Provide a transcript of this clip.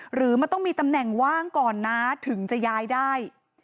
หรือมันต้องมีตำแหน่งว่างก่อนนะถึงจะย้ายได้